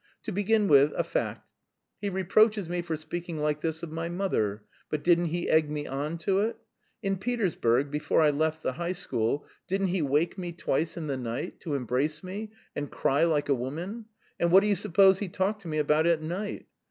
To begin with, a fact: he reproaches me for speaking like this of my mother, but didn't he egg me on to it? In Petersburg before I left the High School, didn't he wake me twice in the night, to embrace me, and cry like a woman, and what do you suppose he talked to me about at night?